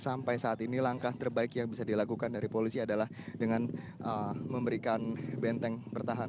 sampai saat ini langkah terbaik yang bisa dilakukan dari polisi adalah dengan memberikan benteng pertahanan